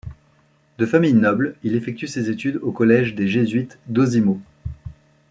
De famille noble, il effectue ses études au collège des jésuites d'Osimo.